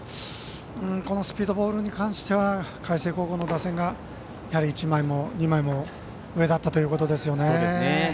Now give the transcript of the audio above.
スピードボールに関しては海星高校の打線が一枚も二枚も上だったということですよね。